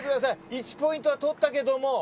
１ポイントは取ったけども。